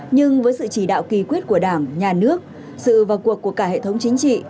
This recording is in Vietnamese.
nhưng với sự chỉ đạo kỳ quyết của đảng nhà nước sự vào cuộc của cả hệ thống chính trị